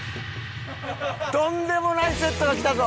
とんでもないセットが来たぞ！